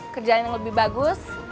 kerjaan yang lebih bagus